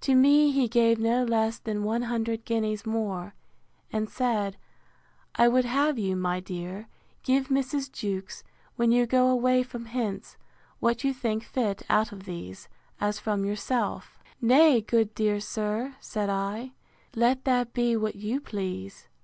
To me he gave no less than one hundred guineas more; and said, I would have you, my dear, give Mrs. Jewkes, when you go away from hence, what you think fit out of these, as from yourself.—Nay, good dear sir, said I, let that be what you please.